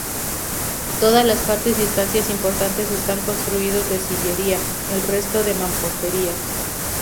Todas las partes y estancias importantes están construidos de sillería, el resto de mampostería.